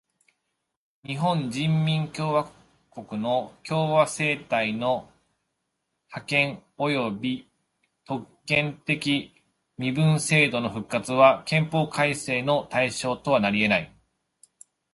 日本人民共和国の共和政体の破棄および特権的身分制度の復活は憲法改正の対象となりえない。